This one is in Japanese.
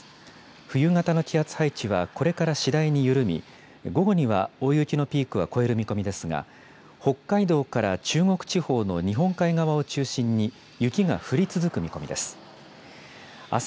冬型の気圧配置はこれから次第に緩み、午後には大雪のピークは越える見込みですが、北海道から中国地方の日本海側を中心に雪が降り続く見込みです。